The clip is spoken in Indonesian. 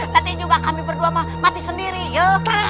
nanti juga kami berdua mati sendiri yuk